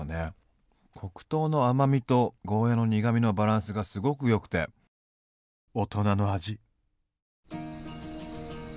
黒糖の甘みとゴーヤーの苦みのバランスがすごくよくて大人の味。